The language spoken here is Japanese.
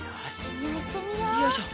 よいしょ。